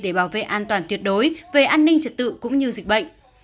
để bảo vệ an toàn tuyệt đối về an ninh trật tự cũng như dịch bệnh